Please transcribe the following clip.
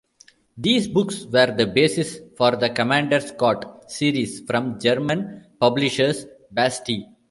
These books were the basis for the Commander Scott series from German publishers Bastei.